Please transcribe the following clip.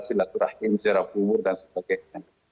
silaturahim ziraf umur dan sebagainya